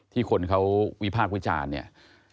ที่คนเขาวิพากศาลเนี้ย